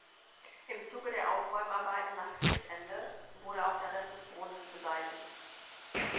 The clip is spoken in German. Im Zuge der Aufräumarbeiten nach Kriegsende wurde auch der Rest des Brunnens beseitigt.